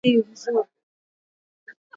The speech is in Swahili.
wamebadili Roe Versus Wade kwa uwamuzi wao mzuri